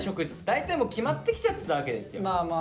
大体決まってきちゃってたわけですよ。